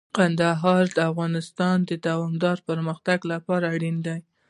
کندهار د افغانستان د دوامداره پرمختګ لپاره اړین دي.